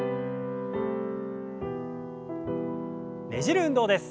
ねじる運動です。